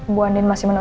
ibu andin masih menopang